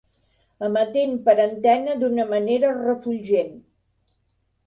Emetent per antena d'una manera refulgent.